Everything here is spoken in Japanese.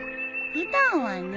普段はね。